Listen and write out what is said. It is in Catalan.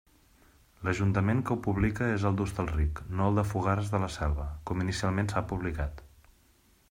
L'Ajuntament que ho publica és el d'Hostalric, no el de Fogars de la Selva com inicialment s'ha publicat.